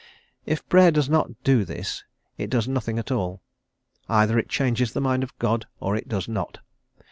If Prayer does not do this it does nothing at all; either it changes the mind of God or it does not.